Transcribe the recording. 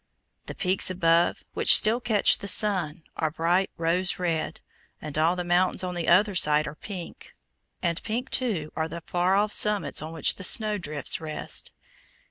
The peaks above, which still catch the sun, are bright rose red, and all the mountains on the other side are pink; and pink, too, are the far off summits on which the snow drifts rest.